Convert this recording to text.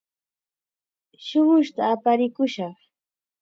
Shuqushta aparikushaq.